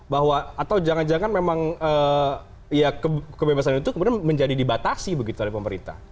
bahwa atau jangan jangan memang ya kebebasan itu kemudian menjadi dibatasi begitu oleh pemerintah